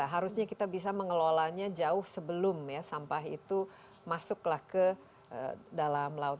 harusnya kita bisa mengelolanya jauh sebelum ya sampah itu masuklah ke dalam laut